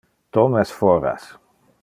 Tom es foras.